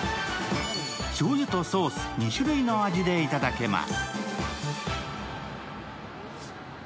しょうゆとソース、２種類の味で頂けます。